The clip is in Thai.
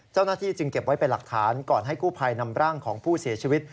เจ้าหน้าที่จึงเก็บไว้เป็นหลักฐานก่อนให้กู้ภัยนำร่างของผู้เสียชีวิต